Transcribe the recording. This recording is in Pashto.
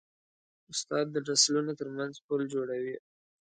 استاد د نسلونو ترمنځ پل جوړوي.